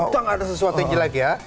utang ada sesuatu yang jelek ya